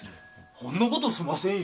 ほんなことしませんよ